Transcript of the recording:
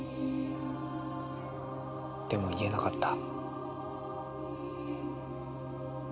でも言えなかった。